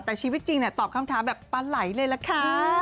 แต่ชีวิตจริงตอบคำถามแบบปลาไหลเลยล่ะค่ะ